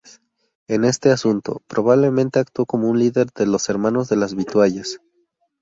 En este asunto, probablemente actuó como un líder de los Hermanos de las vituallas.